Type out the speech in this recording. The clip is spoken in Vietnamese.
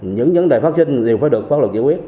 những vấn đề phát sinh đều phải được pháp luật giải quyết